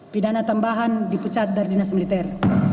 pidana tambahan dipecat dari dinas militer